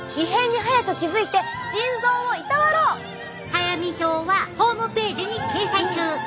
早見表はホームページに掲載中！